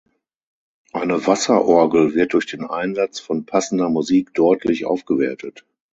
Eine Wasserorgel wird durch den Einsatz von passender Musik deutlich aufgewertet.